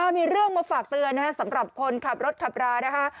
มีเรื่องมาฝากเตือนสำหรับคนขับรถขับรานะคะ